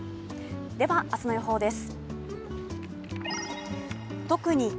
では明日の予報です。